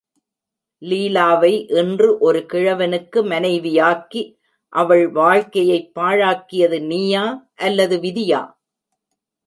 லீலாவை இன்று ஒரு கிழவனுக்கு மனைவியாக்கி அவள் வாழ்க்கையைப் பாழாக்கியது நீயா அல்லது விதியா?